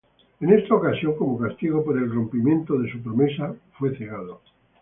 En esa ocasión, como castigo por el rompimiento de su promesa, fue cegado.